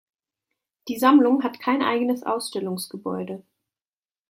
Die Sammlung hat kein eigenes Ausstellungsgebäude.